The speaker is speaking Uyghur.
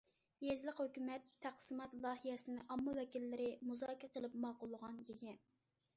يېزىلىق ھۆكۈمەت« تەقسىمات لايىھەسىنى ئامما ۋەكىللىرى مۇزاكىرە قىلىپ ماقۇللىغان» دېگەن.